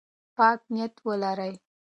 پاک نیت ولرئ.